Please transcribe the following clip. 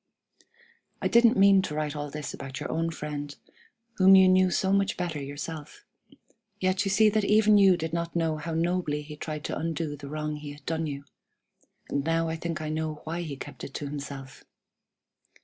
"I didn't mean to write all this about your own friend, whom you knew so much better yourself, yet you see that even you did not know how nobly he tried to undo the wrong he had done you; and now I think I know why he kept it to himself.